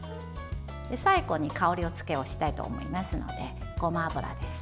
最後に香り付けをしたいと思いますので、ごま油です。